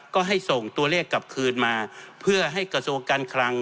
ก็ให้ส่งตัวเลขกลับคืนมาเพื่อให้กระทรวงการคลัง